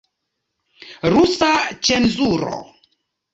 Rusa cenzuro.